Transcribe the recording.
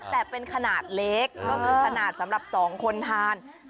แต่เป็นขนาดเล็กก็คือขนาดสำหรับ๒คนทาน